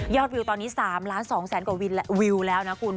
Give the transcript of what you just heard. วิวตอนนี้๓ล้าน๒แสนกว่าวิวแล้วนะคุณ